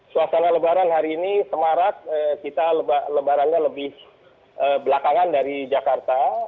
suasana lebaran hari ini semarak kita lebarannya lebih belakangan dari jakarta